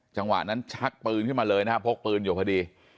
จังหวะนั้นชักปืนขึ้นมาเลยนะครับพกปืนอยู่พอดี